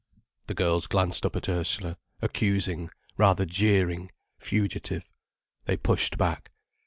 The girls glanced up at Ursula, accusing, rather jeering, fugitive. They pushed back.